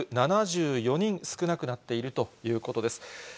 １８７４人少なくなっているということです。